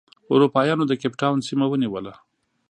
اروپا یانو د کیپ ټاون سیمه ونیوله.